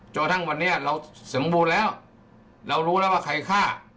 กระทั่งวันนี้เราสมบูรณ์แล้วเรารู้แล้วว่าใครฆ่า